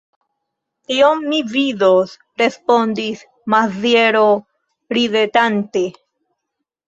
Tion mi vidos, respondis Maziero ridetante.